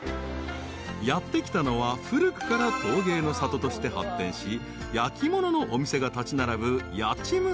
［やって来たのは古くから陶芸の里として発展し焼き物のお店が立ち並ぶ］